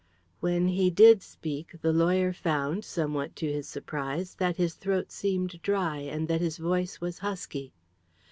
When he did speak the lawyer found, somewhat to his surprise, that his throat seemed dry, and that his voice was husky.